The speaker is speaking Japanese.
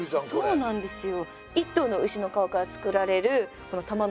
そうなんですよ。